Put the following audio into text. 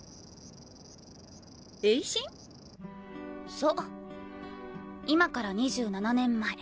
そう今から２７年前。